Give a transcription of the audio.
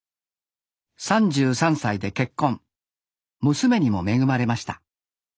娘にも恵まれました。